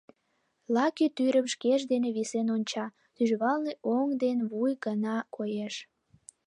Лаке тӱрым шкеж дене висен онча: тӱжвалне оҥ ден вуй гына коеш.